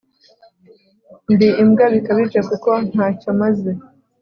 ndi imbwa bikabije kuko ntacyomaze.